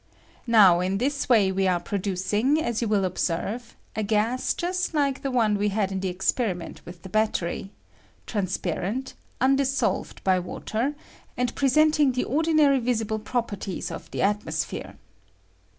Now in this way we are producing, as you will observe, a gas just like the one we had in the experiment with the battery, trans parent, undissolved by water, and presenting the ordinary visible properties of the atmos 112 PHOPEBTIES OF OSTGEN. phere.